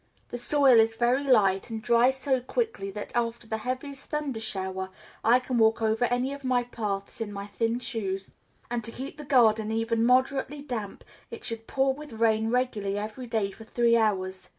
The soil is very light, and dries so quickly that, after the heaviest thunder shower, I can walk over any of my paths in my thin shoes; and to keep the garden even moderately damp it should pour with rain regularly every day for three hours.